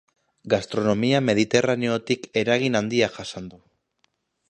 Gastronomia mediterraneotik eragin handia jasan du.